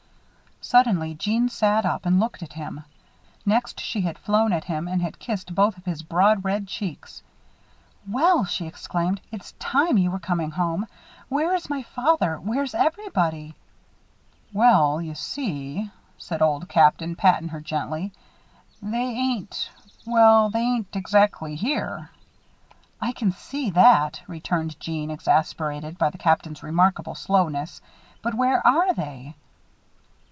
Suddenly Jeanne sat up and looked at him. Next she had flown at him and had kissed both of his broad red cheeks. "Well!" she exclaimed. "It's time you were coming home. Where is my father? Where's everybody?" "Well, you see," said Old Captain, patting her gently, "they ain't well, they ain't exactly here." "I can see that," returned Jeanne, exasperated by the Captain's remarkable slowness, "but where are they?"